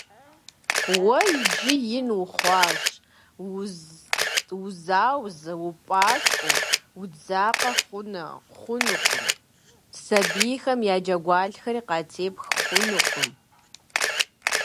Уэ иджы ин ухъуащ, узаузэ, упӏаскӏуэ, удзакъэ хъунукъым, сабийхэм я джэгуалъэхэри къатепх хъунукъым.